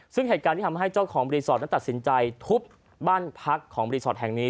ซึ่งเหตุการณ์ที่ทำให้เจ้าของรีสอร์ทนั้นตัดสินใจทุบบ้านพักของรีสอร์ทแห่งนี้